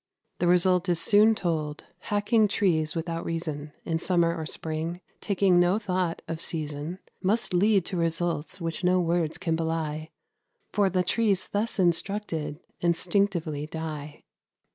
The result is soon told: hacking trees without reason, In summer or spring taking no thought of season Must lead to results which no words can belie; For the trees thus instructed instinctively die.